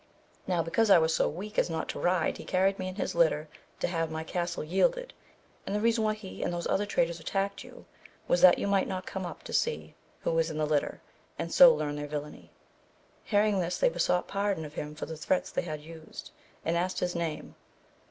Now because I was so weak as not to ride he carried me in this litter to have my castle yielded, and the reason why he and those other traitors attacked you was that you might not come up to see who was in the litter, and so learn their villainy. Hearing this they besought pardon of him for the threats they had used, and asked his name.